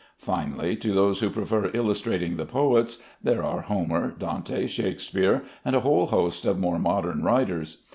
Finally, to those who prefer illustrating the poets, there are Homer, Dante, Shakespeare, and a whole host of more modern writers.